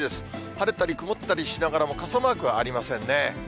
晴れたり曇ったりしながらも、傘マークはありませんね。